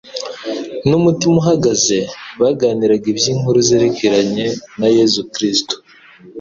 N'umutima uhagaze, baganiraga iby'inkuru zerekeranye na Yesu Kristo.